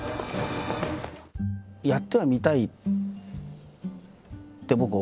やってはみたいって僕思ってて。